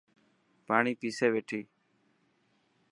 پاڻي پيسي پيتي.